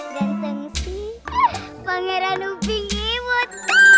ganteng sih pangeran uping imut